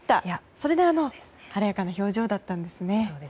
それで、あの晴れやかな表情だったんですね。